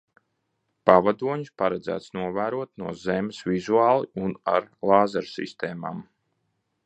Pavadoņus paredzēts novērot no zemes vizuāli un ar lāzersistēmām.